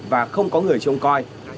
và không có người trông coi